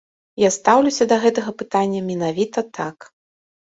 Я стаўлюся да гэтага пытання менавіта так.